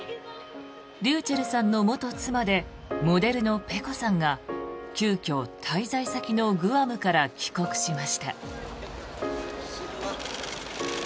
ｒｙｕｃｈｅｌｌさんの元妻でモデルのｐｅｃｏさんが急きょ滞在先のグアムから帰国しました。